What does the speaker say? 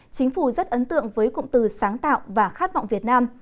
chính phủ rất ấn tượng với cụm từ sáng tạo và khát vọng việt nam